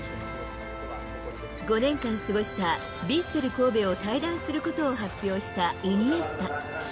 ５年間過ごしたヴィッセル神戸を退団することを発表したイニエスタ。